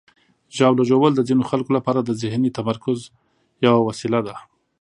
ژاوله ژوول د ځینو خلکو لپاره د ذهني تمرکز یوه وسیله ده.